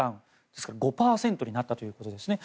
ですから５％になったということですね。